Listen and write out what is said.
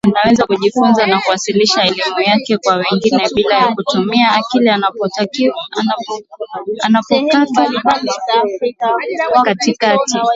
Anaweza kujifunza na kuwasilisha elimu yake kwa wengine bila ya kutumia akili Anapokatwa katikati